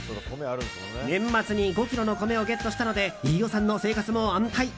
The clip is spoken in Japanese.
年末に５ｋｇの米をゲットしたので飯尾さんの生活も安泰。